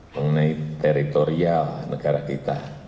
mengenai teritorial negara kita